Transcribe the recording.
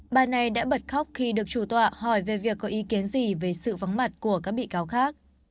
bà này đã bật khóc khi được chủ tọa hỏi về việc có ý kiến gì về sự vắng mặt của các bị cáo khác